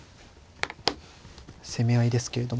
攻め合いですけれども。